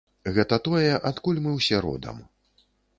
Гэта тое, адкуль мы ўсе родам.